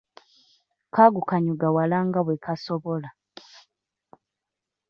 Kagukanyuga wala nga bwe kasobola.